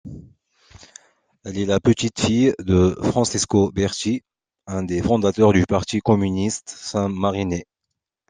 Elle est la petite-fille de Francesco Berti, un des fondateurs du Parti communiste saint-marinais.